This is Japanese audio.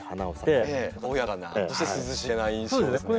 たおやかなそして涼しげな印象ですね。